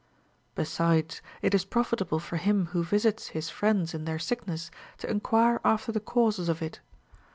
15. Besides, it is profitable for him who visits his friends in their sickness to enquire after the causes of it.